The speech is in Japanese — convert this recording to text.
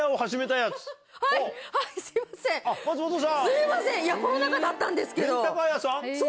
すいませんコロナ禍だったんですけど。